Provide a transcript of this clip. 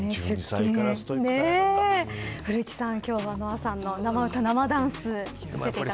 古市さん、今日はＮＯＡさんの生歌や生ダンスどうでしたか。